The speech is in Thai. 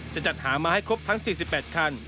จะจัดหามาให้ครบทั้ง๔๘คัน